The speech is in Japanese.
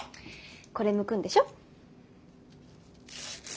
これむくんでしょ？